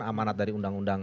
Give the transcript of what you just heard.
amanat dari undang undang